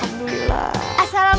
wa'alaikum salam kom